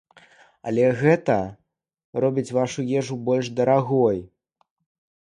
Але гэта робіць вашу ежу больш дарагой.